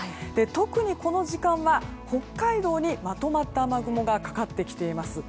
特に、この時間は北海道にまとまった雨雲がかかってきています。